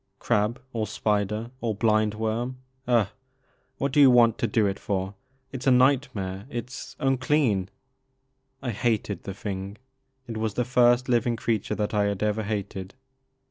Crab or spider or blind worm — ^ugh I What do you want to do it for ? It 's a nightmare — ^it 's unclean !" I hated the thing. It was the first living creature that I had ever hated.